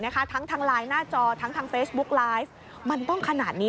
เป็นลูกของผมเป็นลูกของคนนี้